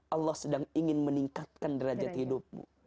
allah sedang ingin meningkatkan derajat hidupmu